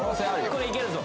これはいけるぞ